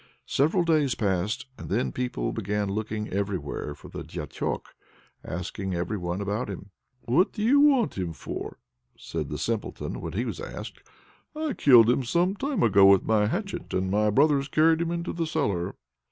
Several days passed, and then people began looking everywhere for the Diachok, asking everyone about him. "What do you want him for?" said the Simpleton, when he was asked. "I killed him some time ago with my hatchet, and my brothers carried him into the cellar."